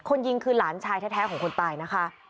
ยิงคือหลานชายแท้ของคนตายนะคะ